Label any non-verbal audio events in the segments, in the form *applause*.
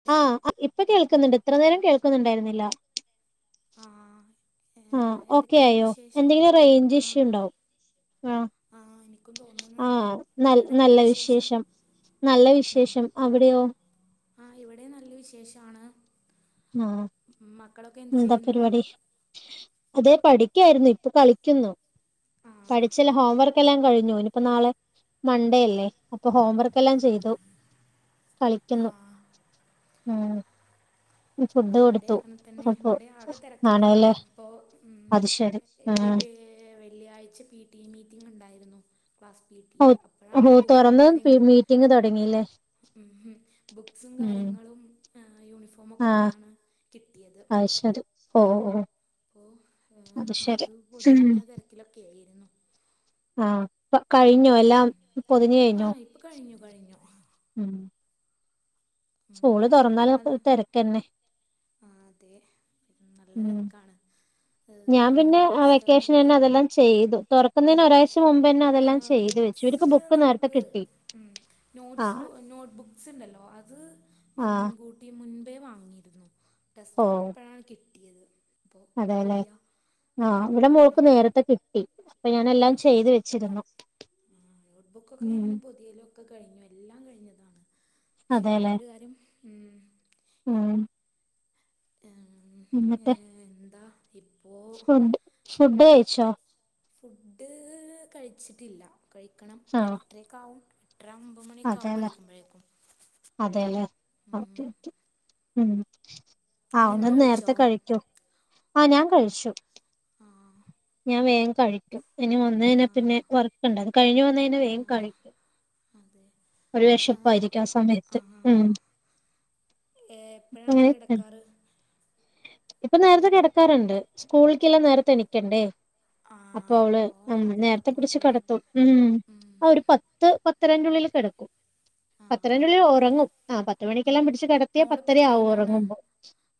അതെ ആഹ് ഇപ്പൊ കേൾക്കുന്നുണ്ട് ഇത്ര നേരം കേൾക്കുന്നുണ്ടായിരുന്നില്ല ആ ഏ, ആഹ് ഓക്കെ എന്തൊക്കെയാണ് ആയോ വിശേഷം എന്തെങ്കിലും റേഞ്ച് ആ ഇഷ്യൂ ഉണ്ടാവും ആഹ് ആ എനിക്കും തോന്നുന്നുണ്ട് ആഹ് ന നല്ല വിശേഷം നല്ല വിശേഷം അവിടെയോ ആഹ് ഇവിടെയും നല്ല വിശേഷാണ് ആഹ് എന്താ ചെയ്യുന്നു പരിപാടി അതെ പഠിക്കായിരുന്നു ഇപ്പൊ കളിക്കുന്നു ആ പഠിച്ചെല്ലാം ഹോംവർക്കെല്ലാം കഴിഞ്ഞു ഇനിപ്പോ നാളെ ആ മണ്ടേയല്ലേ അപ്പൊ ആ ഹോംവർക്കെല്ലാം ചെയ്തു ആ കളിക്കുന്നു ഉം ഫുഡ് ഇവടെം കൊടുത്തു അങ്ങനെ തന്നെ അപ്പൊ ഇവടെ ആകെ തെരക്കായിരുന്നു ആണല്ലേ ഇപ്പൊ മ്മ് അത് ശരി പഷേ ഇപ്പ ഈ ഉം വേഹ് വെള്ളിയാഴ് പി ടി എ മീറ്റിങ്ങ് ഇണ്ടായി രുന്നു ക്ലാസ്സ് പി ടി ഓ എ ഓ അപ്പഴാണ് ബുക്കും തുറന്ന് കാര്യങ്ങൾ മീറ്റിംഗ് തുടങ്ങില്ലേ ബുക്സും ഉം കാര്യങ്ങളും ഏഹ് യൂണിഫോമൊ ആഹ് അയ്ശരി ഓ ഓ അപ്പോ അത് പൊതിയുന്ന തിരക്കിലൊക്കെ ആയി ആഹ് പ്പ കഴിഞ്ഞോ എല്ലാം പൊതിഞ്ഞു ആ കഴിഞ്ഞോ ഇപ്പം കഴിഞ്ഞു കഴിഞ്ഞു മ്മ് സ്കൂള് ഉം, തൊറന്നാല് നിങ്ങൾ ഇപ്പ തെരക്കന്നെ ആ അതെ നല്ല തെരക്കാണ് ഞാൻ ഏഹ് പിന്നെ നോട്ട് ബുസ്തകം വെക്കേഷനെന്നെ പൊതിയലും അതെല്ലാം ചെയ്തു തുറക്കുന്നതിന് മ് ഒരാഴ്ച മുമ്പെന്നെ ഏ അതെല്ലാം ചെയ്തു വെച്ചു ബുക്സ് ഇവർക്ക് ബുക്ക് നേരത്തെ നമുക്ക് കിട്ടി ഉം ആഹ് നോട്സ് നോട്ട്ബുക്ക്സ് ഉണ്ടല്ലോ അത് ആഹ് മുൻകൂട്ടിം മുൻപേ വാങ്ങിയിരുന്നു ടെസ്റ്റ്ബുക്ക് ഇപ്പഴാണ് കിട്ട് ട്ടിയത് അതേലെ ആ ഇവടെ മോക്ക് അങ്ങനെയാണ് നേരത്തെ കിട്ടി പ്പൊ ആ ഞാനെല്ലാം ചെയ്തു വെച്ചിരുന്നു ആ നോട്ട്ബുക്കൊക്കെ ഉം ഞാന് പുതിയലൊക്കെ കഴിഞ്ഞു എല്ലാം കഴിഞ്ഞതാണ് ക്ഷെ ഈ അതെല്ലേ ഒരു കാര്യം ഉം ഉം, ഏ, എന്ന്ട്ട് എന്താ ഇപ്പോൾ ഷ്പുഡ് ഷ്പുഡൈ ച്ചൊ ഫുഡ് കഴിച്ചിട്ടില്ല കഴിക്കണം ആഹ് എട്ട്രെക്കാവും എട്ട്ര ഒമ്പത് മണി ഒക്കാവും അതെല്ലേ കഴിക്കുമ്പഴേക്കും അതെല്ലേ ഉം ഓക്കെ ഉം നിങ്ങൾ ആവുന്നത് കഴിച്ചോ നേരത്തെ കഴിക്കൂ ആ ഞാൻ കഴിച്ചു ആ ഞാൻ വേഗം കഴിക്കും ആ വന്ന്ഴിഞ്ഞാപിന്നെ വർക്ക്ണ്ട് അത്‌ കഴിഞ് വന്ന പിന്നെവേഗം ആ കഴിക്കും അതെ ഒരു ആ വെഷപ്പായിരിക്കും ആ സമയത്ത് ഉം എപ്പോഴാണ് ങ്ങനെ കിടക്കാറ് ഇപ്പൊ നേരത്തെകെടക്കാറ്ണ്ട് സ്കൂൾക്കെല്ലാം നേരത്തെ എണിക്കെണ്ടേ ആ അപ്പൊ അവള് അപ്പോൾ മ് നേരത്തെ കിടക്കും നേരത്തെപിടിച്ച് അല്ലേ കെടത്തും ഉം അ ഒര് പത്ത് പത് ത്തരെൻ്റുള്ളില് കെടക്കും ആ ആ പത്തരൻ്റുള്ളില് ഉറങ്ങും ആ പത്ത് ആ മണിക്കെല്ലാം പിടിച്ചു കെടത്തിയാ മോളിപ്പോൾ പത്തരയാവും എത്രയിലാണ് ഒറങ്ങുമ്പോ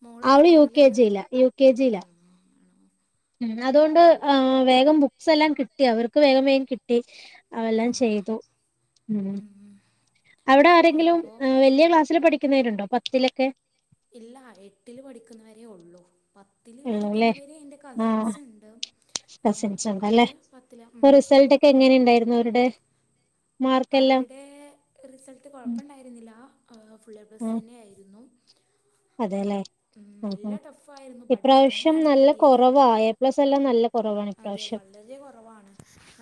മോളിപ്പോൾ അവള് യു കെ എത്രയിലാണ് ജി ല യു കെ ജി ല ആ ആണോ മ് അതോണ്ട് ആ വേഗം ബുക്സെല്ലാം കിട്ടോ അവർക്ക് വേഗം വേഗം കിട്ടി ആ അവെല്ലാം ചെയ്തു ഉം അവിടെ ആരെങ്കിലും ഇപ്പോ മ് വല്ലൃ ക്ലാസ് പ്പൊപഠിക്കുന്നവരുണ്ടോ പത്തിലൊക്കെ ഇല്ലാ എട്ടില് പഠിക്കുന്നവരെയുള്ളു പത്തില് ഉള്ളൂല്ലേ പഠിക്കുന്നവര് എൻ്റെ ആഹ് കസിൻസ്ണ്ട് ആ കസിൻസ് ഉണ്ടല്ലേ അവര് പത്തില അപ്പൊ ഉം റിസൾട്ട് ഒക്കെ എങ്ങനെ പത്തിലാണ് ഉണ്ടായിരുന്നു അവരുടെ മാർക്കെല്ലാം അവരുടെ റിസൾട്ട് ഉം. കൊഴപ്പണ്ടായിരുന്നില്ല ആ ഫുള്ള് എപ്ലസ് തന്നെ ആയിരുന്നു അതേല്ലെ നല്ല ഉം ടഫായിരുന്നു പഠിച്ചിട്ട് ഇപ്രാവശ്യം തന്നെയാണ് നല്ല കിട്ടിയത് കുറവാ എ പ്ലസ് എല്ലാം നല്ല കുറവാണ് അതെ ഇപ്രാവശ്യം വളരെ കുറവാണ്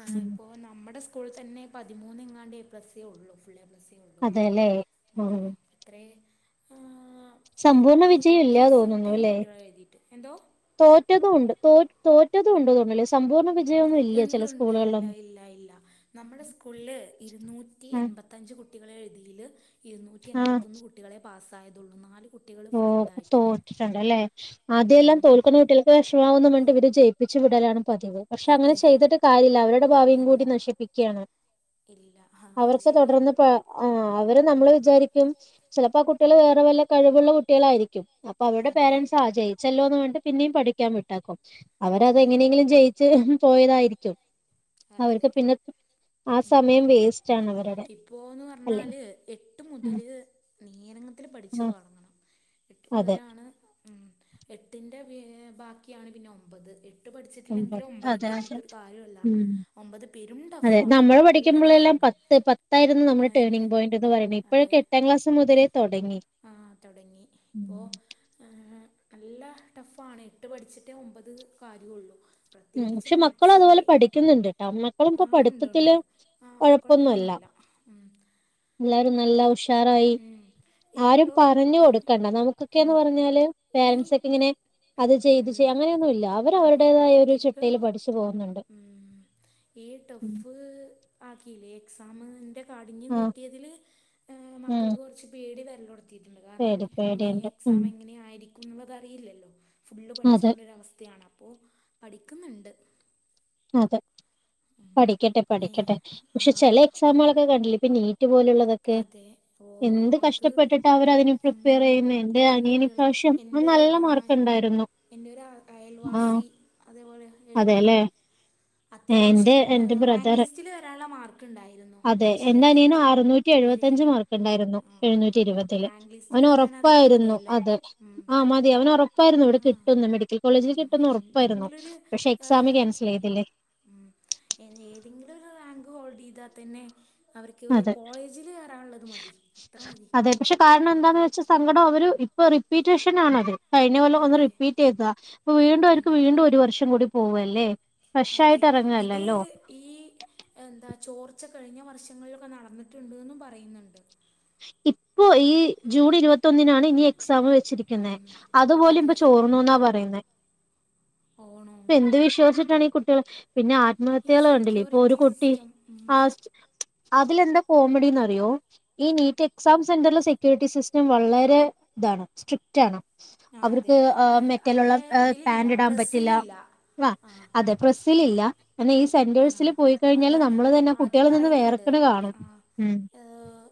അ ഉം. ഇപ്പൊ നമ്മടെ സ്കൂളിൽ തന്നെ പതിമൂന്നങ്ങാണ്ടേ എ പ്ലസേ ഉള്ളൂ ഫുള്ളേ എ പ്ലസ് അതേല്ലേ ഉം ആ, സമ്പൂർണ വിജയം ഇരുന്നൂറ്റി ഇല്ലാ തോന്നുന്നു സംതിങ് അല്ലെ കുട്ടികൾ എഴുതിയിട്ട് എന്തോ തോറ്റതും ഉണ്ട് തോ തോറ്റതുണ്ടെന്ന് തോന്നൂല്ലേ സമ്പൂർണ്ണ വി ഇണ്ട് ഇണ്ട് ഇല്ല ഇല്ല ഇല്ല നമ്മുടെ സ്കൂളില് ഇരുന്നൂറ്റി ആഹ് എൺപത്തഞ്ച് കുട്ട് ല് എഴുതില് ഇരുന്നൂറ്റി ആഹ് എൺപത്തൊന്ന് കുട്ടികളേ പാസ് തായതുള്ളു നാലു ഓ തോറ്റിട്ടുണ്ടല്ലെ ആദ്യല്ലാം ഉം തോൽക്കുന്ന കുട്ടികൾക്ക് വിഷമാവു ഇവര് ജയിപ്പിച്ചു വിടലാണ് പതിവ്. പക്ഷേ അങ്ങനെ അതെ ചെയ്തിട്ട് കാര്യല്യാ. അവരുടെ ഭാവിം ഇല്ല കൂടി നശിപ്പിക്കാണ്. ഇല്ല ആ അത് അവർക്ക് ശരിയാണ് തുടർന്ന് പ ആ അവര് നമ്മള് വിചാരിക്കും ചിലപ്പോ ആ കുട്ടികള് വേറെ വല്ല കഴ് വ്ള്ള കുട്ടികളായിരിക്കും. അപ്പോ അവരുടെ അതെ പേരൻ്റ്സാ ആ ജയിച്ചല്ലോന്ന് പറഞ്ഞ്ട്ട് പിന്നേം പഠിക്കാൻ വിട്ടാക്കും. അതെ അവരതെങ്ങനെങ്കിലും ജയിച്ച് പോയതായിരിക്കും അതെ. അവർക്ക് പിന്നെ ആ ഊം. സമയം വേസ്റ്റ് ആണ് അവരുടെ ഇപ്പോന്ന് അല്ലെ പറഞ്ഞാല് എട്ട് ഉം മുതല് ത്തില് പഠിച്ചു ആ തൊടങ്ങണം. എട്ട് അതെ മുതലാണ് ഉം എട്ടിന്റെ ഏ ബാക്ക്യാണ് പിന്നെ ഒമ്പത് എട്ട് അതെ പഠിച്ചിട്ടില്ലെങ്കില് അതെ ഒമ്പത്ക്ക് അതെ ഇരുന്നിട്ടൊരു കാര്യോല്ല. ഉം. അതെ. നമ്മള് പഠിക്കുമ്പോളെല്ലാം ടഫാണ് പത്ത് പത്തായിരുന്നു നമ്മുടെ അയന്നെ ടേണിംഗ് പോയിന്റ്ന്ന് പറണേ. അതെ ഇപ്പോഴൊക്കെ എട്ടാം ക്ലാസ് മൊതലേ തൊടങ്ങി. ആ തൊടങ്ങി. ഇപ്പോ ആ നല്ല ടഫാണ്. എട്ട് പഠിച്ചിട്ടേ ഒമ്പത് കാര്യോള്ളു. ഉം. പക്ഷേ മക്കളും അതുപോലെ പഠിക്കുന്നുണ്ട്ട്ടോ. മക്കളും ഇപ്പോ ആ ഉണ്ട് പഠിത്തത്തില് ഉണ്ട് ആ ഒഴപ്പൊന്ന്വല്ല. കുഴപ്പമൊന്നുമില്ല ഉം എല്ലാരും നല്ല ഉഷ് എത്താറായി. ഉം ആരും ഇപ്പോ പറഞ്ഞു കൊടുക്കണ്ട. നമുക്കൊക്കേന്ന് ഉം പറഞ്ഞാല് ഈ പേരൻറ്സൊക്കെങ്ങനെ അത് ചെയ്യ് ഇത് ഉം ചെയ്യ് അങ്ങനെയൊന്നുല്യാ. അതെ അവരവരുടേതായ ഒരു ഇപ്പോ ട്ടില് പഠിച്ചു പോകുന്നുണ്ട്. ഉം ഈ ഉം ടഫ് ആക്കിയില്ലേ? എക്സാമ് ന്റെ പടിഞ്ഞ് ആഹ് കൂട്ടിയതില് ഏ മ *unintelligible* ക്കക്ക് ഉം കൊറച്ച് പേടി വര ത്തിട്ടുണ്ട്. കാരണം പേടി ഇനി പേടിയുണ്ട് ഉം എക്സാം എങ്ങനെ ആയിരി ക്കും അത് അറിയില്ലല്ലോ ഫുള്ള് അതെ പഠിച്ചോണ്ടൊരവസ്ഥയാണോ? അപ്പോ പഠിക്കുന്നുണ്ട്. അതെ ഉം പഠിക്കട്ടെ ഏഹ് പഠിക്കട്ടെ. പക്ഷേ ആഹ് ചെല എക്സാമുകളൊക്കെ കണ്ടില്ലേ? പ്പ നീ അതെ. ഓ അത് കഷ്ടപ്പെട്ടിട്ടാ അവരതിന് പ്രിപ്പയർ ഉം ചെയ്യുന്നെ. എന്റെ കൊറേ അനിയന് കുട്ടികള്. ഇപ്രാവശ്യം അവന് എന്റെ ഒരു നല്ല ആ മാർക്കുണ്ടായിരുന്നു. എന്റെ ഒരു ആഹ് അയൽവാസി അതേപോലെ എഴുതി അതേല്ലേ. അത്യാവശ്യം എന്റെ ഏ എന്റെ റാങ്ക് ബ്രദറ് ലിസ്റ്റില് വരാൻള്ള മാർക്ക് ഇണ്ടായിരുന്നു. പക്ഷേ എന്ത് എഴുപത്തഞ്ച് ചെയ്യാനാ മാർക്ക് ഉണ്ടാരുന്നു എഴുന്നൂറ്റിഇരുപതില് റാങ്ക് ലിസ്റ്റിൽ അവനു വരാൻ അതൊക്കെ ഉറപ്പായിരുന്നു മതിയല്ലോ അത് ഉം. ആ മതി അവനു ഉറപ്പായിരുന്നു ഇവിടെ കിട്ടും എന്ന് മെഡിക്കൽ കോളേജിൽ കിട്ടുമെന്ന് ഉറപ്പായിരുന്നു എന്തെങ്കിലൊരു പക്ഷെ എക്സാംമ് ഏഹ് ക്യാൻസൽ ഏതിലെ ഉം ഏതെങ്കിലും ഒരു റാങ്ക് ഹോൾഡ് ചെയ്‌താത്തന്നെ അവർക്കോരു അതെ. കോളേജില് വറാനുള്ളത് മതി അത്ര മതി അതെ പക്ഷെ കാരണം എന്താന്ന് വെച്ചാ സങ്കടം അവര് ഇപ്പൊ റിപ്പീറ്റേഷൻ ആണത് കഴിഞ്ഞ കൊല്ലം ഒന്ന് അതെ റിപ്പീറ്റ് ചെയ്ത അപ്പ വീണ്ടും അവർക്ക് വീണ്ടും ഒരു വർഷം കൂടി പോ അല്ലേ അതെ ഇത് ഈ എന്താ ചോർ കൊറച്ച കഴിഞ്ഞ വർഷങ്ങളിലൊക്കെ നടന്നിട്ടുണ്ട്ും പറയുന്നുണ്ട് ഇപ്പോൊ ഈ ജൂൺ ഇരുപത്തൊന്നിനാണ് ഇനി എക്സാം വെച്ചിരിക്കുന്നെ ഉം അതുപോലെ അതെ ഇപ്പൊ ചോർന്നുന്നാ പറയുന്ന ഓണോ ഇപ്പൊ ഏന്ത് വിശ്വസട്ടണ കുട്ട ആ പിന്നെ ഈ ആത്മഹത്യകള ഉണ്ടല്ലേ ഇപ്പൊ ഒരു സെക്യൂരിറ്റി കുട്ടി സിസ്റ്റം ഉം ആ അതിലെന്താ കോമഡിന്നറിയോ ഈ നീറ്റ് എക്സാം സെന്ററിലെ സെക്യൂരിറ്റി സിസ്റ്റം വളരെ ഇതാണ് സ്ട്രിക്റ്റ് ആണ് ആ അതെ അവർക്ക് മെറ്റലുള്ള അവരെ ഇതിലില്ല പാന്റ് ഇടാൻ പറ്റില്ല പ്രസ്സിലില്ല ആ അതെ ഇതിലില്ല എന്നെ ഈ ആ സെന്റെഴ്സില് പോയിക്കഴിഞ്ഞാല് അതാണ് നമ്മള് തന്നെ അത് കുട്ടികള് നിന്ന് പറയുന്നുണ്ട് വേർക്കണ്‌ കാണും ആ ഉം ഏഹ്,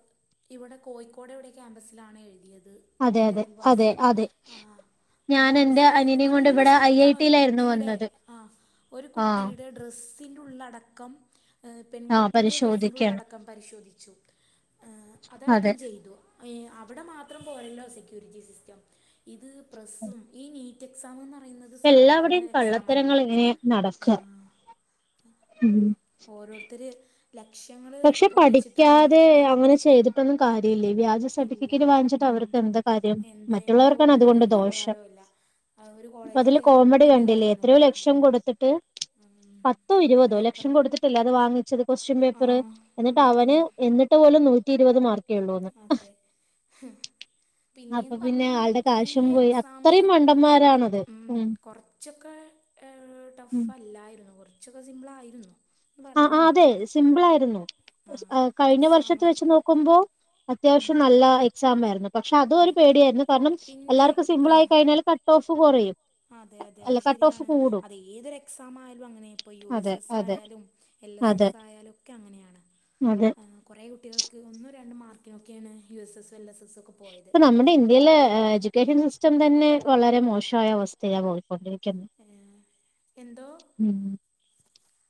ഇവിടെ കോയിക്കോട് എവിടെ ക്യാമ്പസിലാണ് എഴുതിയത് ൽ അതെ ന്റെ അതെ അയൽവാസി അതെ അതെ ആ ആ ഞാൻ എന്റെ ക്യാമ്പസില് എഴുതീ ട്ട് അനിയനെയും കൊണ്ട് നല്ല ഇവിടെ ഐ ഐ സ്ട്രിറ്റാണ് ഒരു ടിയിലായിരുന്നു കുട്ടീടെ വന്നത് ആഹ് ഒരു ആഹ് കുട്ടീടെ ഡ്രസ് ഉള്ളടക്കം ഏഹ് ആഹ് പെൺകുട്ടിയുടെ പരിശോധിക്കാണ് ഡ്രസ്സിന്റുള്ളടക്കം പരിശോധിച്ചു ഏഹ് അതെ അതടക്കം ചെയ്തു അയ് അവിടെ മാത്രം പോയല്ലോ സെക്യൂരിജി സിസ്റ്റം ഇത് പ്രസ്സും ഈ മീ എക്സാമൊന്ന എല്ലാവടെയും കള്ളത്തരങ്ങളിങ്ങനെ നടക്കാ ഹും ഓരോരുത്തര് ലക്ഷങ്ങള് പക്ഷെ പൊട്ടിച്ചിട്ടാണ് പഠിക്കാതെ അങ്ങനെ ചെയ്തിട്ടൊന്നും കാര്യ ഇല്ലേ വ്യാജ ഇല്ല സർട്ടിഫിക്കേറ്റ് വാങ്ങിച്ചിട്ട് ഉം അവർക്ക് എന്താ കാര്യം എന്താ എന്താ മറ്റുള്ളവർക്കാണ് ഉപകാരം അതുകൊണ്ട് ഒരു ദോഷം ഉപകാരവും ഇല്ല ഒരു കോളേജിൽ അതില് കയറിയിട്ടും കോമഡി വലിയ കണ്ടില്ലേ എത്രയോ കാര്യമൊന്നുമില്ല ലക്ഷം ഉം കൊടുത്തിട്ട് പത്തോ ഉം ഇരുപതോ ലക്ഷം പേപ്പറും കൊടുത്തിട്ടല്ലേ അത് വാങ്ങിച്ചത് കൊ *unintelligible* ആ വര് എന്നിട്ട് ഉം ഉം അവന് എന്നിട്ട് പോലും നൂറ്റിരുപത് മാർ അതെ ഹും അപ്പൊ പിന്നേന്ന് പിന്നെ പർന്നാ ആളുടെ ഈ കാശും പോയി എക്സാമ് അത്രയും മണ്ടന്മാരാണത് ഉം കൊറച്ചൊക്കെ ഏഹ് ടഫ് ഉം അല്ലായിരുന്നു കൊർ ച്ചൊക്കെ സിംബ്ലായിരുന്നു ആ ആ അതെ സിംമ്പിളായിരുന്നു ആ ഓസ് ആഹ് കഴിഞ്ഞ വർഷത്തെ എക്സാമ് വെച്ച് നോക്കുമ്പോ അത്യാവശ്യം ഉം നല്ലാ എക്സാംമ *inaudible* *unintelligible* പക്ഷെ അതും ഒരു അതെ പേടിയായിരുന്നു കാരണം പിന്നെ എല്ലാവർക്കും ആ സിമ്പിൾ ആയി കഴിഞ്ഞാല് കട്ട് ഓഫ് *inaudible* *unintelligible* അതെ അതെ അല്ല അത് കട്ട് ഓഫ് ശരിയാണ് കൂടും അത് ഏതൊരു എക്സാം ആയാലും അങ്ങനെ ഇപ്പൊ യു അതെ എസ് എസ് അതെ ആയാലും എൽ എസ് അതെ എസ് ആയാലൊക്കെ അങ്ങനെയാണ് അതെ കുറെേ കുട്ടികൾക്ക് ഒന്നും രണ്ട് മാർക്കിനോക്കെയാണ് U S S L S S ഒക്കെ പോയത് ഇപ്പൊ നമ്മുടെ ഇന്ത്യയിലെ എഡ്യൂക്കേഷൻ സിസ് ഇഷ്ടം തന്നെ വളരെ മോശമായ അവസ്ഥയാാണ് പോ *unintelligible* ണ്ടിരിക്കുന്നു ഏ, എന്തോ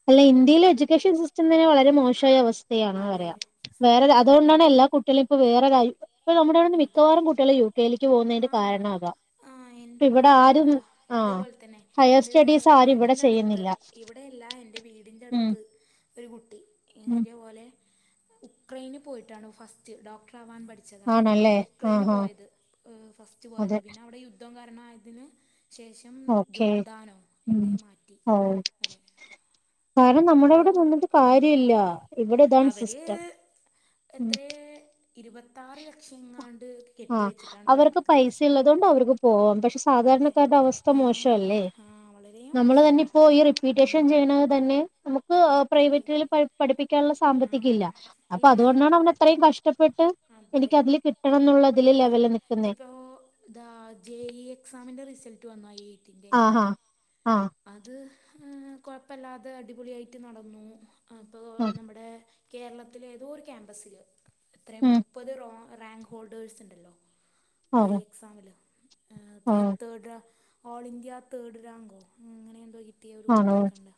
അല്ല ഇന്ത്യയിൽ എഡ്യൂക്കേഷൻ സിസ്റ്റ സ്റ്റം തന്നെ വളരെ മോശമായ അവസ്ഥയാണെന്ന് അതെ പറയാം വേറെ ഉം, അതുകൊണ്ടാണ് എല്ലാ കുട്ടികളും ഇപ്പോ വേറെ *inaudible* *unintelligible* ഇപ്പൊ നമ്മുടെ അവിടുന്ന് അതെ മിക്കവാറും കുട്ടികൾ യു കെയിലേക്ക് പോകുന്നതിന്റെ ആഹ് കാരണമത ആഹ് ഇപ്പ എന്റൊരു ഇവിടെ ആരും ആഹ് ആ ഇതേപോലെ തന്നെ ഹയർ എൻ്റെ സ്റ്റഡീസ് ആരും ഇവിടെ ചെയ്യുന്നില്ല എന്റെ വീടിന്റെ ഉം അടുത്ത് ഒരു കുട്ടി ഉം ഇതേപോലെ ഉക്രൈന് പോയിട്ടാണ് ഫസ്റ്റ് ഡോക്ട റവാൻ പഠിച്ചതാണ് ആണല്ലേ ഉക്രൈന് ആഹ് ആഹ് പോയത് ഫസ്റ്റ് പോയത് അതെ പിന്നെ അവിടെ യുദ്ധം കാര ണയതിന് ശേഷം ഓക്കെ ജോർദാനോ ഉം എവിടെയ മാറ്റി ഓ അവര് കാരണം നമ്മുടെ ഇവിടെ നിന്നിട്ട് കാര്യല്ല ഇവിടെ ഇതാണ് അവര് സിസ്റ്റം ഉം ഇരുപത്തറ് ലക്ഷങ്ങാ ആ അവർക്ക് പൈസള്ളോതോണ്ട് അവർക്ക് പോവാം പക്ഷെ അതെ സാധാരണക്കാരുടെ അവസ്ഥ ആ മോശല്ലേ ആ വളരെ നമ്മൾ തന്നെ മോശമാണ് ഇപ്പോ ഈ ഉം റിപ്പീറ്റേഷൻ ചെയ്യണത് തന്നെ ഇപ്പൊ അതെ പ്രൈവറ്റിൽ പ പഠിപ്പിക്കാനുള്ള ആ സാമ്പത്തിക ഇല്ല അപ്പൊ ഇല്ല അതുകൊണ്ടാണ് അവനത്രയും കഷ്ടപ്പെട്ട് അതെ എനിക്കതില് കിട്ടണം എന്നുള്ള അതെ ഇപ്പോ ദാ ജെ ഇ എക്സാമിന്റെ റിസൾ ട്ട് വന്നായി ആ ഹാ അത് ഏ് കൊഴപ്പല്ല അത് അടിപൊളി ആയിട്ട് നടന്നു അപ്പൊ ആഹ് നമ്മടെ കേരളത്തിലെ ഏതോ ഒരു ക്യാമ്പസില് എത്രയാ ഉം മുപ്പത് റോ റാങ്ക് ഹോൾഡേഴ്സ് ഇണ്ടല്ലോ ഓ ജെ എക്സാമില് ഏ് ഓ എത്രേ തേർഡ് റാ ഓൾ ഇന്ത്യ തേർഡ് റാങ്കോ ഉം അങ്ങനെന്തോ കി ട്ടിയ ഒരു ആണോ കുട്ടിയൊക്കെ ഉണ്ട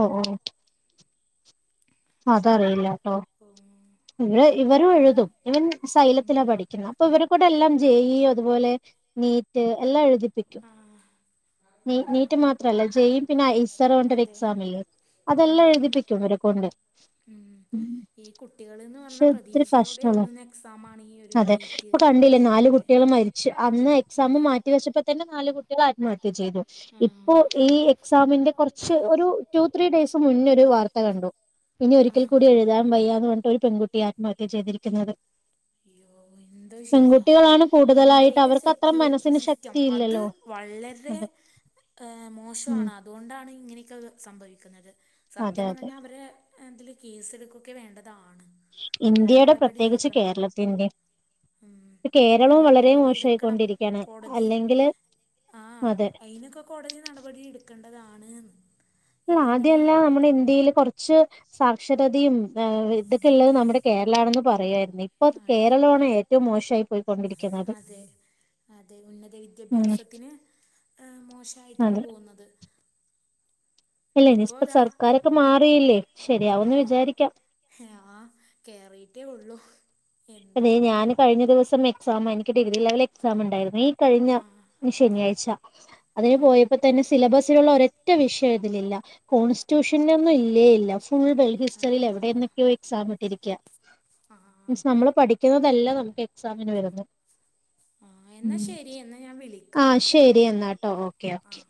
ഓ ഓ അതറിയില്ല ഓ ഇവിടെ ഇവരും എന്താ എഴുതും ഇവൻ സൈലത്തിലാ പഠിക്കുന്നെ അപ്പൊ ഇവര് കൊണ്ടെല്ലാം ജെ ഇ അതുപോലെ നീറ്റ് എല്ലാം എഴുതിപ്പിക്കും ആ ആ നീ നീറ്റ് മാത്രല്ല ജെ ഇ പിന്നെ അയി സറ് എന്നു പറഞ്ഞിട്ടൊരു അതെ എക്സാമില്ലേ ആ അതെല്ലാം എഴുതിപ്പിക്കും ഇവരെ കൊണ്ട് ഉം ഈ കുട്ടികൾ എന്ന് ക്ഷെ പറഞ്ഞാൽ ഒത്തിരി പ്രതീക്ഷയോടെ കഷ്ടല്ലെ എഴുതുന്ന എക്സാമാണ് ഈ ഒരു അതെ നീറ്റ് ഇപ്പം കണ്ടില്ലേ നാല് അതേപോലത്തെ കുട്ടികള് മരിച്ച് അന്ന് എക്സാമ് അതെ മാറ്റിവെച്ചപ്പോ തന്നെ നാല്കുട്ടികള് ആത്മഹ ത്യ ചെയ്തു ആ ഇപ്പോ ഈ എക്സാമിന്റെ കൊറച്ച് ഒരു ടു ത്രീ ഡേയ്സ് മുന്നേ ഒരു വാർത്ത കണ്ടു ഇനി ആ ഒരിക്കൽ കൂടി എഴുതാൻ വയ്യാന്ന് പറഞ്ഞിട്ട് ഒരു പെൺകുട്ടി ആത്മഹത്യ ചെയ്തിരിക്കുന്നത് യ്യോ എന്തോ ചെയ്യാം പെൺകുട്ടികളാണ് കൂടുതലായിട്ട് ഇന്ത്യയിലെ അവർക്ക് അത്ര സെക്യൂരിറ്റി മനസ്സിന് സിസ്റ്റം അത് ശക്തിയില്ലല്ലോ വളരെ അതെ ഏഹ് ഉം മോശാണ് അതുകൊണ്ടാണ് ഇങ്ങനെ ഇതോക്കെ സംഭവിക്കുന്നത് അതെ സത്യം അതെ പറഞ്ഞാ അവരെ എഹ് ഇതില് കേസെടുക്കൊക്കെയാ വേണ്ടത് ഇന്ത്യയുടെ പ്രത്യേകിച്ച് എടുക്കണം കേരള ത്തിൻ്റെ ഉം ഇപ്പ കേരള അതിന് വളരെ നടപടിയെടുക്കണം മോശായിക്കൊണ്ടിരിക്കയാണ് കോടതി അല്ലെങ്കില് ആ അതെ. എക്കേണ്ടതാണാന്നും നമ്മള് ആദ്യയെല്ലാം നമ്മുടെ ഇന്ത്യയില് കൊറച്ച്. സാക്ഷരതയും എ് ഇതൊക്കെള്ളത് നമ്മുടെ കേരളാണെന്ന് പറയു ആയിരുന്നു ഇപ്പൊ അത് അതെ കേരളം ആണ് ഏറ്റവും മോശമായി പോയി കൊണ്ടിരി അതെ അതെ ഉന്നത ഉം വിദ്യാഭ്യാസത്തിന് അ് മോശായിട്ടാണ് അതെ പോകുന്നത് ഇല്ല ഇനി ഇപ്പോൾ ഇപ്പ അതാ സർക്കാരൊക്കെ മാറിയില്ലേ ആ ശരിയാവുന്ന് വിചാരിക്കാം ആ കേറിയിട്ടേ ഉള്ളൂ പ്പതേ എന്താവും ഞാന് എന്തോ കഴിഞ്ഞ ദിവസം എക്സാമ എനി ക്ക് ഡിഗ്രി ലെവല് എക്സാം ണ്ടായിരുന്നു ഈ കഴിഞ്ഞ ആ ശനിയാഴ്ച അതിന് പോയപ്പ അങ്ങനെ തന്നെ സിലബസിലുള്ള ഒരൊറ്റ വിഷയ ഇതിലില്ല കോൺസ്റ്റിറ്റ്യൂഷന് ഒന്നും ഇല്ലേ ഇല്ല ഫുൾ ബെൾ ഫുള്ള് ഹിസ്റ്ററിയിൽ ലാസ്റ്റിലാണ് എവിടെന്നെക്കെയോ എക്സാം ഇട്ടിരിക്ക ആ മീൻസ് നമ്മള് പഠിക്കുന്നതല്ല നമുക്ക് എക്സാമിന് വരുന്ന ആ എന്നാൽ മ് ശരി എന്നാൽ ഞാൻ ആ വിളിക്കാം ശരി എന്നാട്ടോ ഓക്കെ ഒക്കെ ആ